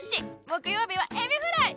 木曜日はエビフライ！